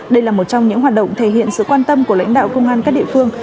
đây là một trong những hoạt động thể hiện sự quan tâm của lãnh đạo công an các địa phương